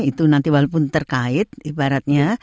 itu nanti walaupun terkait ibaratnya